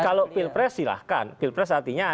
kalau pilpres silahkan pilpres artinya